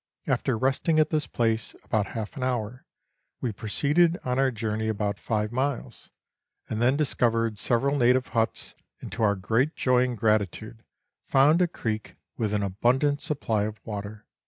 After resting at this place about half an hour we proceeded on our journey about five miles, and then discovered several native huts, and to our great joy and gratitude found a creek with an abundant supply of water.